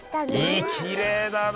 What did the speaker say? きれいだね。